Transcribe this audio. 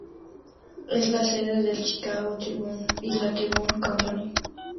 Es la sede del "Chicago Tribune" y la Tribune Company.